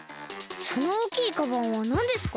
そのおおきいカバンはなんですか？